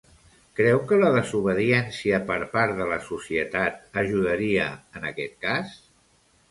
Creu que la desobediència per part de la societat ajudaria en aquest cas?